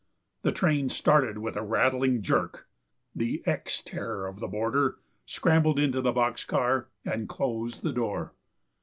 The train started with a rattling jerk. The ex Terror of the Border scrambled into the box car and closed the door.